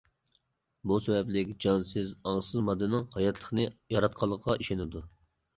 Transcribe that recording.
بۇ سەۋەبلىك جانسىز، ئاڭسىز ماددىنىڭ، ھاياتلىقنى ياراتقانلىقىغا ئىشىنىدۇ.